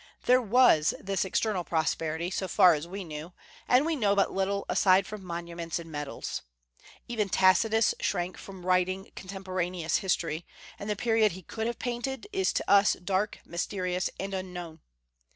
There was this external prosperity, so far as we know, and we know but little aside from monuments and medals. Even Tacitus shrank from writing contemporaneous history, and the period he could have painted is to us dark, mysterious, and unknown.